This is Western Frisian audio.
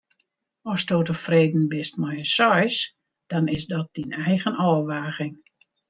Asto tefreden bist mei in seis, dan is dat dyn eigen ôfwaging.